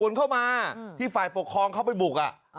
กลุ่นเข้ามาที่ฝ่ายปกครองเข้าไปบุกอ่ะ